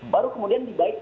baru kemudian dibaikkan